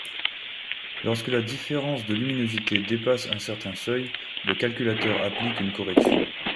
Lorsque la différence de luminosité dépasse un certain seuil, le calculateur applique une correction.